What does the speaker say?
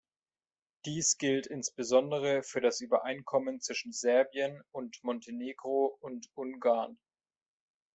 Dies gilt insbesondere für das Übereinkommen zwischen Serbien und Montenegro und Ungarn.